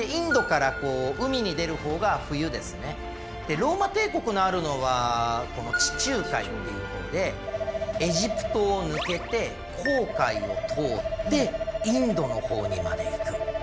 ローマ帝国のあるのはこの地中海っていうところでエジプトを抜けて紅海を通ってインドの方にまで行く。